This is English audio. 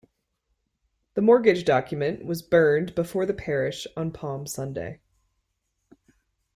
The mortgage document was burned before the Parish on Palm Sunday.